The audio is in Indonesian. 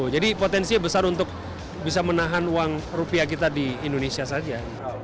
jadi potensi besar untuk bisa menahan uang rupiah kita di indonesia saja